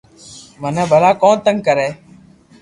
مني ڀلا ڪو تنگ ڪري